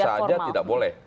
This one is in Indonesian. tidak langsung saja tidak boleh